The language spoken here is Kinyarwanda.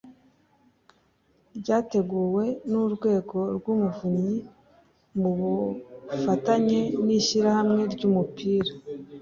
ryateguwe n urwego rw umuvunyi mu bufatanye n ishyirahamwe ry umupira